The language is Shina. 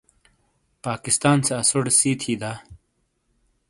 پاکستان سے اسوٹے سی تھی دا؟